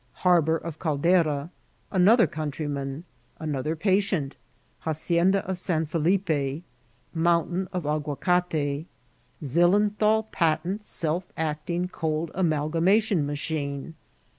— Haiboar of Caldera.— Another Coantr7man.~AnoCher Patient ^Hacianda of San Falippe.— Moontain of Agnacata.— <* Zillenthal Patent Self acting Cold Amalgamatinn Machine.'